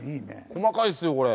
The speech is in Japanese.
細かいですよこれ。